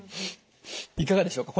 いかがでしょうか？